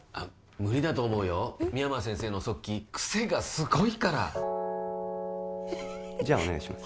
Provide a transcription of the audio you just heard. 無理だと思うよ深山先生の速記クセがすごいからじゃお願いします